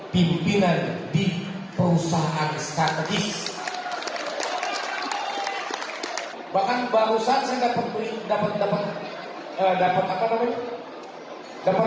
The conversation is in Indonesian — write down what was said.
pimpinan di perusahaan strategis bahkan barusan saya dapat dapat apa namanya dapat